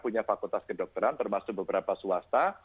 punya fakultas kedokteran termasuk beberapa swasta